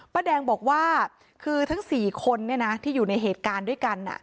ป้าแดงบอกว่าคือทั้ง๔คนที่อยู่ในเหตุการณ์ด้วยกัน